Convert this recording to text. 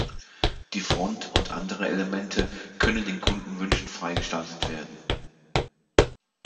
Die Front und andere Elemente können den Kundenwünschen frei gestaltet werden.